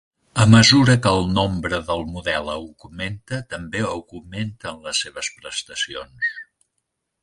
A mesura que el nombre del model augmenta també augmenten les seves prestacions.